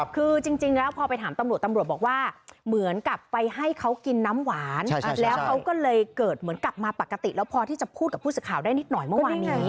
คือจริงแล้วพอไปถามตำรวจตำรวจบอกว่าเหมือนกับไปให้เขากินน้ำหวานแล้วเขาก็เลยเกิดเหมือนกลับมาปกติแล้วพอที่จะพูดกับผู้สื่อข่าวได้นิดหน่อยเมื่อวานนี้